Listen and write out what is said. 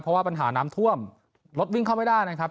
เพราะว่าปัญหาน้ำท่วมรถวิ่งเข้าไม่ได้นะครับ